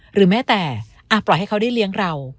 หรือแม้แต่ปล่อยให้เขาได้เลี้ยงเรา